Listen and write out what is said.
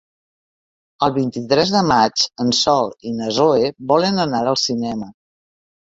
El vint-i-tres de maig en Sol i na Zoè volen anar al cinema.